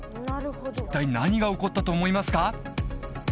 一体何が起こったと思いますか？